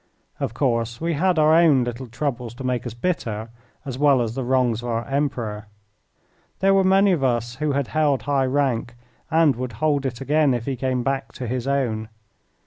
Of course, we had our own little troubles to make us bitter, as well as the wrongs of our Emperor. There were many of us who had held high rank and would hold it again if he came back to his own.